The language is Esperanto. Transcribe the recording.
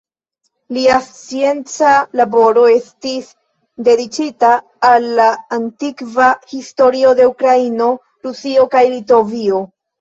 Lia scienca laboro estis dediĉita al la antikva historio de Ukraino, Rusio kaj Litovio.